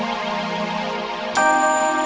ia makasih mu perlu ikutin